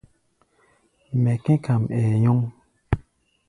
Mɛ kɛ̧́ kam, ɛɛ nyɔŋ.